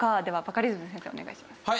ではバカリズム先生お願いします。